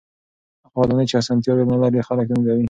هغه ودانۍ چې اسانتیاوې نلري خلک تنګوي.